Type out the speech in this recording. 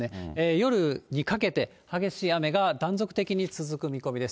夜にかけて激しい雨が断続的に続く見込みです。